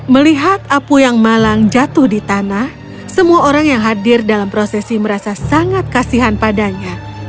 melihat apu yang malang jatuh di tanah semua orang yang hadir dalam prosesi merasa sangat kasihan padanya